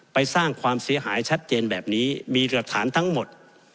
สร้างความเสียหายชัดเจนแบบนี้มีหลักฐานทั้งหมด